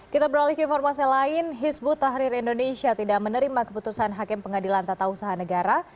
kita beralih ke informasi lain hizbut tahrir indonesia tidak menerima keputusan hakim pengadilan tata usaha negara